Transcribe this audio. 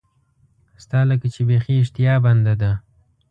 ستا لکه چې بیخي اشتها بنده ده.